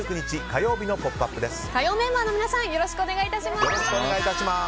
火曜メンバーの皆さんよろしくお願いします。